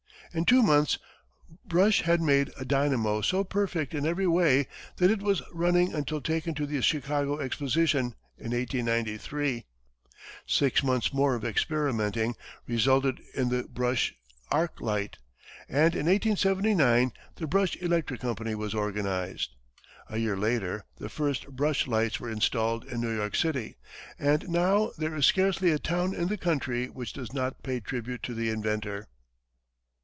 In two months, Brush had made a dynamo so perfect in every way that it was running until taken to the Chicago Exposition, in 1893. Six months more of experimenting resulted in the Brush arc light, and in 1879 the Brush Electric Company was organized. A year later, the first Brush lights were installed in New York City, and now there is scarcely a town in the country which does not pay tribute to the inventor.